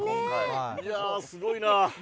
いやー、すごいな。